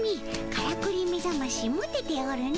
からくりめざましモテておるの。